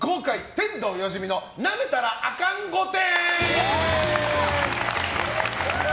天童よしみのなめたらアカン御殿。